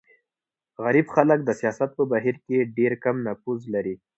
غریب خلک د سیاست په بهیر کې ډېر کم نفوذ لري.